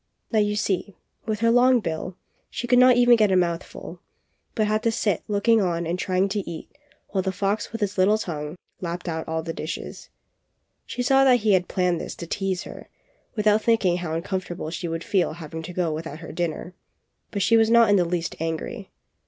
Now you see, with her long bill, she could not get even a mouthful, but had to sit look ing on and trying to eat while the fox with his little tongue, lapped out all the dishes. She saw that he had planned this to tease her, without thinking how uncomfortable she would feel having to go without her dinner; but she was not in the least angry.